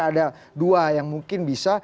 ada dua yang mungkin bisa